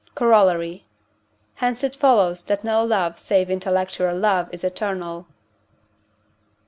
Corollary. Hence it follows that no love save intellectual love is eternal.